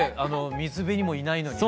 水辺にもいないのにね。